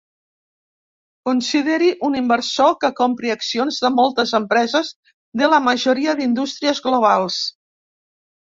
Consideri un inversor que compri accions de moltes empreses de la majoria d'indústries globals.